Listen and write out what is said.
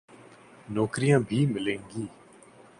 نوکریاں بھی ملیں گی۔